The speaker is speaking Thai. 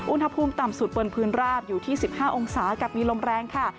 อุณหภูมิต่ำสุดบนพื้นราบอยู่ที่๑๕องศากับมีลมแรงค่ะ